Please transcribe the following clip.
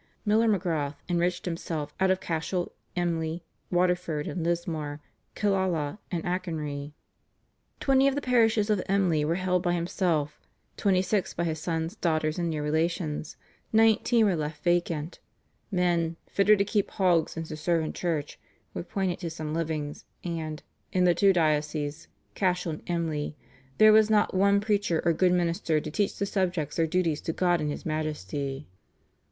Miler Magrath enriched himself out of Cashel, Emly, Waterford and Lismore, Killala, and Achonry. Twenty of the parishes of Emly were held by himself; twenty six by his sons, daughters, and near relations; nineteen were left vacant; men "fitter to keep hogs than to serve in church" were appointed to some livings, and "in the two dioceses (Cashel and Emly) there was not one preacher or good minister to teach the subjects their duties to God and His Majesty."